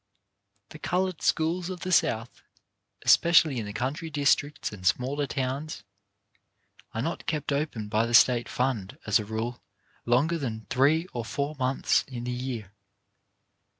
The coloured schools of the South, especially in the country districts and smaller towns, are not kept open by the State fund, as a rule, longer than three or four months in the year.